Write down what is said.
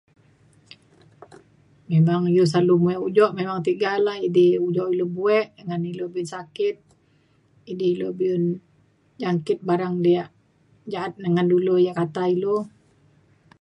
Memang ilu selalu muek ujok memang tiga lah idi ujok ilu buek ngan ilu abek sakit jadi ilu beun jangkit barang diak jaat ngan dulu yak kata ilu.